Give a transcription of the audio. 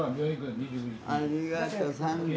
ありがとさんだ。